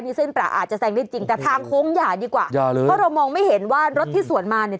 เส้นปลาอาจจะแซงได้จริงแต่ทางโค้งอย่าดีกว่าอย่าเลยเพราะเรามองไม่เห็นว่ารถที่สวนมาเนี่ย